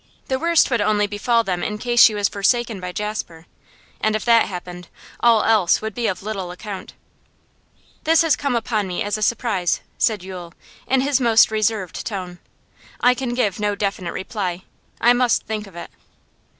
The worst would only befall them in case she was forsaken by Jasper, and if that happened all else would be of little account. 'This has come upon me as a surprise,' said Yule, in his most reserved tone. 'I can give no definite reply; I must think of it.